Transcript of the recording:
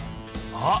あっ！